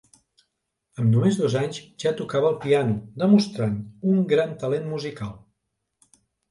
Amb només dos anys ja tocava el piano, demostrant un gran talent musical.